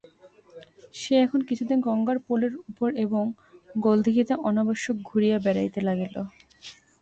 সে এখন কিছুদিন গঙ্গার পোলের উপর এবং গোলদিঘিতে অনাবশ্যক ঘুরিয়া বেড়াইতে লাগিল।